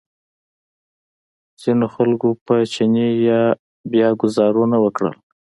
ځینو خلکو په چیني بیا ګوزارونه وکړل.